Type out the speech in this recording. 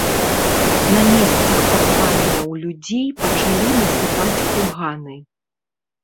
На месцах пахаванняў людзей пачалі насыпаць курганы.